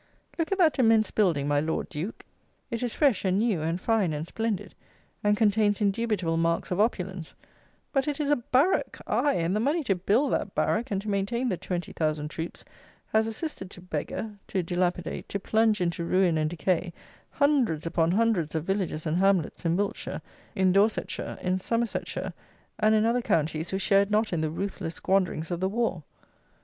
Look at that immense building, my Lord Duke: it is fresh and new and fine and splendid, and contains indubitable marks of opulence; but it is a BARRACK; aye, and the money to build that barrack, and to maintain the 20,000 troops, has assisted to beggar, to dilapidate, to plunge into ruin and decay, hundreds upon hundreds of villages and hamlets in Wiltshire, in Dorsetshire, in Somersetshire, and in other counties who shared not in the ruthless squanderings of the war.